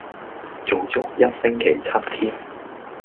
做足一星期七天